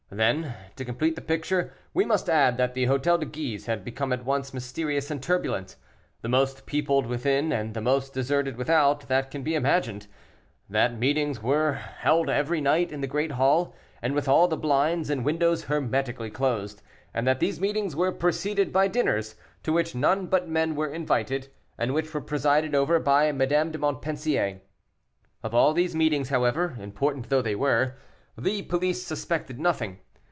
Then, to complete the picture, we must add that the Hôtel de Guise had become at once mysterious and turbulent, the most peopled within and the most deserted without that can be imagined; that meetings were held every night in the great hall, and with all the blinds and windows hermetically closed, and that these meetings were preceded by dinners, to which none but men were invited, and which were presided over by Madame de Montpensier. Of all these meetings, however, important though they were, the police suspected nothing.